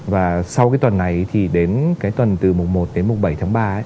và sau cái tuần này thì đến cái tuần từ mùng một đến mùng bảy tháng ba